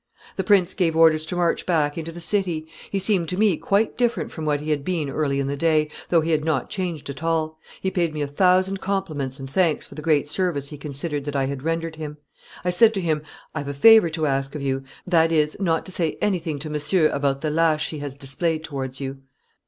The prince gave orders to march back into the city; he seemed to me quite different from what he had been early in the day, though he had not changed at all; he paid me a thousand compliments and thanks for the great service he considered that I had rendered him. I said to him, 'I have a favor to ask of you: that is, not to say anything to Monsieur about the laches he has displayed towards you.